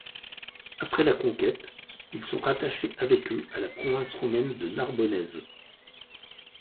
Après la Conquête, ils sont rattachés avec eux à la province romaine de Narbonnaise.